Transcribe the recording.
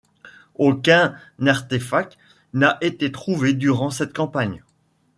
Aucun artéfact n'a été trouvé durant cette campagne.